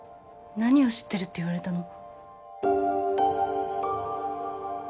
何を知ってるって言われたの？